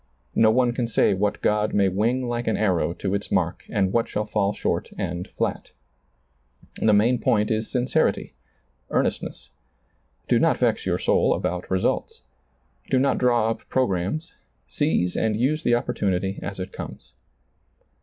No one can say what God may wing like an arrow to ^lailizccbvGoOgle 13a SEEING DARKLY its mark and what shall bU short and Oat The main point is sincerity, earnestness. Do not vex your soul about results. Do not draw up pro grammes; seize and use the opportunity as it comes.